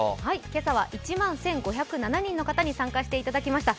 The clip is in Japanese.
今朝は１万１５０７人の方に参加していただきました。